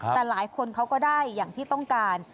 แต่หลายคนเขาก็ได้อย่างที่ต้องการ